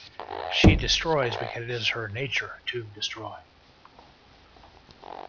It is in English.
She destroys because it is her nature to destroy.